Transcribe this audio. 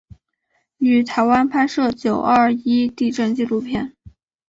于台湾拍摄九二一地震纪录片。